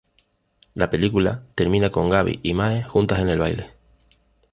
La película termina con Gabby y Mae juntas en el baile.